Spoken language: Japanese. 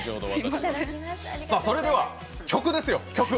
それでは、曲ですよ、曲！